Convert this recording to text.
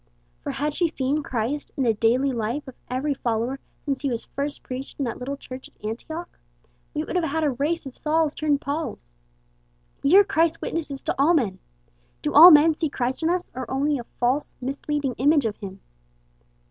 For had she seen Christ in the daily life of every follower since he was first preached in that little Church at Antioch, we would have had a race of Sauls turned Pauls! We are Christ's witnesses to all men. Do all men see Christ in us, or only a false, misleading image of him?